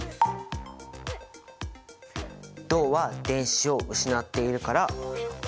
銅は電子を失っているから酸化された。